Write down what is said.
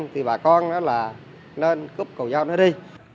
thì bà con đó là nên cúp cầu giao nó đi